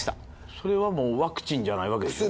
それはもうワクチンじゃないわけでしょ。